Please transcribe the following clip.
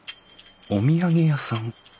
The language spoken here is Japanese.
お土産屋さん？